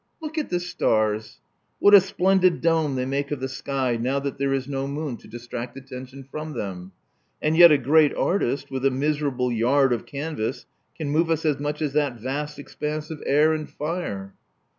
Look at the stars. What a splendid dome they make of the sky now that there is no moon to distract attention from them. And yet a great artist, with a miserable yard of canvas, can move us as much as that vast expanse of air and fire.